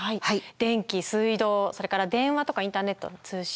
電気・水道それから電話とかインターネットの通信。